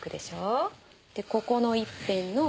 でここの一辺の。